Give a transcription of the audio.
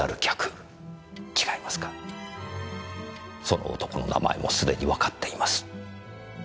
その男の名前もすでにわかっています。